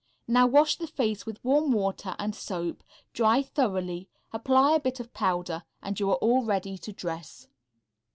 Now wash the face with warm water and soap, dry thoroughly, apply a bit of powder, and you are all ready to dress.